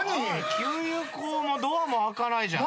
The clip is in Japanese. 給油口もドアも開かないじゃん。